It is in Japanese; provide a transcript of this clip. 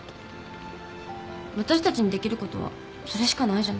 わたしたちにできることはそれしかないじゃない。